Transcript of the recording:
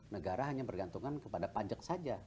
negara hanya bergantungan kepada pajak saja